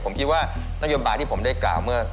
ผมคิดว่านักยนต์บาร์ที่ผมได้กล่าว